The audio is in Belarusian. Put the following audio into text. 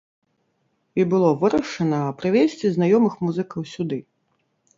І было вырашана прывезці знаёмых музыкаў сюды.